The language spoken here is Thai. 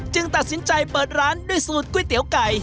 ตัดสินใจเปิดร้านด้วยสูตรก๋วยเตี๋ยวไก่